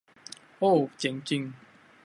โอว เจ๋งจริง